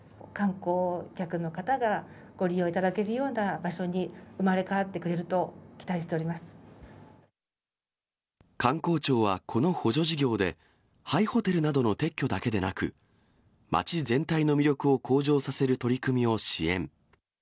観光客の方がご利用いただけるような場所に生まれ変わってくれる観光庁はこの補助事業で、廃ホテルなどの撤去だけでなく、街全体の魅力を向上させる取り組みを支援。